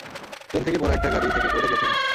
Plane থেকে পড়া একটা গাড়ি থেকে পড়ে গিয়েছিলাম।